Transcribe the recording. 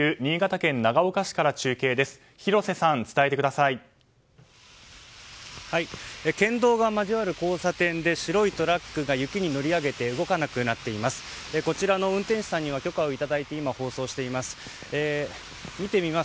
県道が交わる交差点で白いトラックが雪に乗り上げて動かなくなっています。